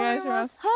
はい。